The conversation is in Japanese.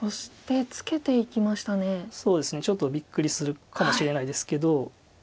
ちょっとびっくりするかもしれないですけど。